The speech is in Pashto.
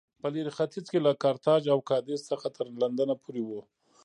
په لېرې ختیځ کې له کارتاج او کادېس څخه تر لندنه پورې و